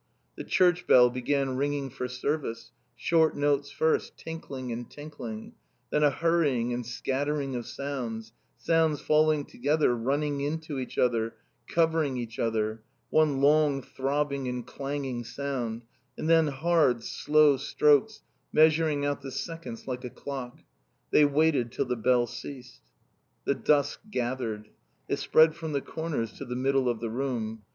The church bell began ringing for service, short notes first, tinkling and tinkling; then a hurrying and scattering of sounds, sounds falling together, running into each other, covering each other; one long throbbing and clanging sound; and then hard, slow strokes, measuring out the seconds like a clock. They waited till the bell ceased. The dusk gathered. It spread from the corners to the middle of the room.